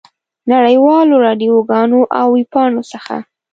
نړۍ والو راډیوګانو او ویبپاڼو څخه.